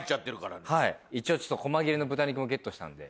一応細切れの豚肉もゲットしたんで。